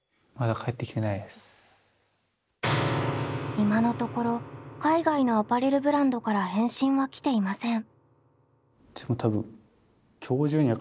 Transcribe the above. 今のところ海外のアパレルブランドから返信は来ていません。